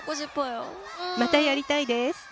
またやりたいです。